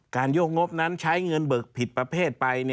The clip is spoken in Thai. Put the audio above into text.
โยกงบนั้นใช้เงินเบิกผิดประเภทไป